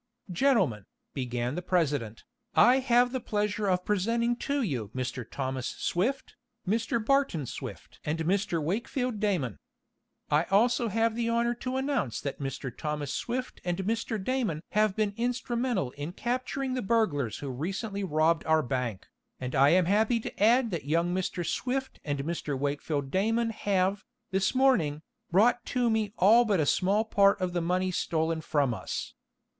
"Gentlemen," began the president, "I have the pleasure of presenting to you Mr. Thomas Swift, Mr. Barton Swift and Mr. Wakefield Damon. I also have the honor to announce that Mr. Thomas Swift and Mr. Damon have been instrumental in capturing the burglars who recently robbed our bank, and I am happy to add that young Mr. Swift and Mr. Wakefeld Damon have, this morning, brought to me all but a small part of the money stolen from us.